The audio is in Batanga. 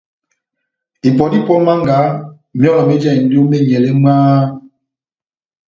Ipɔ dá ipɔ ó mánga, myɔlɔ méjahindini ó menyɛlɛ mwaaaha !